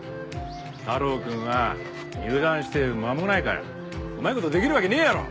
太郎くんは入団して間もないからうまい事できるわけねえやろ！